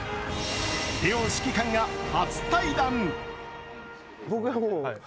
両指揮官が初対談。